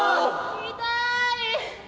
痛い。